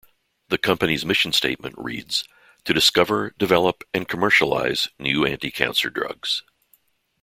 The company's mission statement reads ... to discover, develop and commercialize new anticancer drugs.